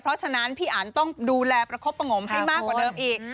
เพราะฉะนั้นพี่อันต้องดูแลประคบประงมให้มากกว่าเดิมอีก